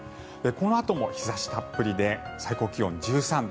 このあとも日差したっぷりで最高気温１３度。